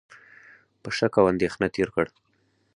په شک او اندېښنه تېر کړ،